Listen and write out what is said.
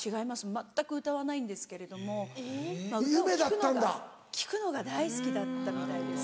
全く歌わないんですけれどもまぁ歌を聴くのが聴くのが大好きだったみたいです。